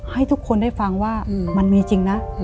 ให้ทุกคนได้ฟังว่ามันมีจริงนะ